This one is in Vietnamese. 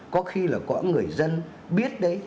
có khi là có người dân biết đấy